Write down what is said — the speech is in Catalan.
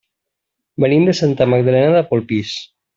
Venim de Santa Magdalena de Polpís.